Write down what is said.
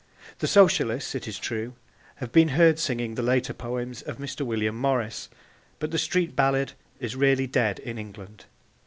The Socialists, it is true, have been heard singing the later poems of Mr. William Morris, but the street ballad is really dead in England.